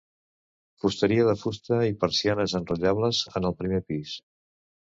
Fusteria de fusta i persianes enrotllables en el primer pis.